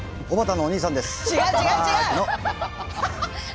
おばたのお兄さんです。